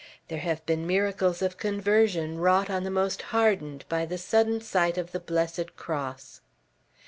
There have been miracles of conversion wrought on the most hardened by a sudden sight of the Blessed Cross."